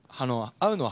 会うのは。